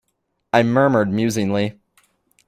I murmured musingly.